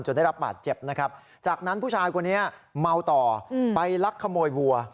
ได้รับบาดเจ็บนะครับจากนั้นผู้ชายคนนี้เมาต่อไปลักขโมยวัว